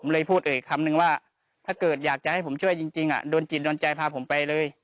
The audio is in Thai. เลยพูดเอ่ยคำนึงว่าถ้าเกิดอยากจะให้ผมช่วยจริงโดนจิตโดนใจพาผมไปเลย